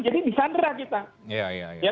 jadi disandrah kita